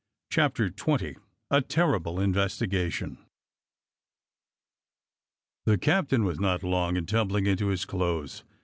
CHAPTER XX A TERRIBLE INVESTIGATION THE captain was not long in tumbling into his clothes.